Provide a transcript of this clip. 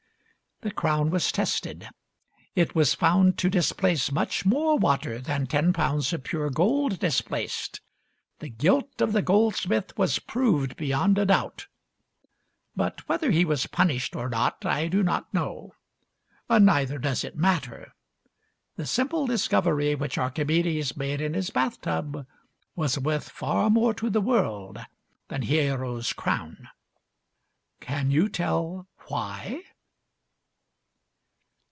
The crown was tested. It was found to displace much more water than ten pounds of pure gold dis placed. The guilt of the goldsmith was proved beyond a doubt. But whether he was punished or not, I do not know, neither does it matter. The simple discovery which Archimedes made in his bath tub was worth far more to the world than Hiero's crown. Can you tell why